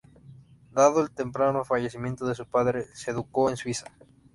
Dado el temprano fallecimiento de su padre, se educó en Suiza.